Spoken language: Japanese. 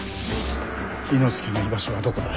氷ノ介の居場所はどこだ？